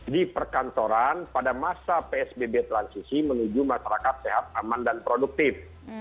di perkantoran pada masa psbb transisi menuju masyarakat sehat aman dan produktif